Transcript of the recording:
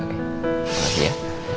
terima kasih ya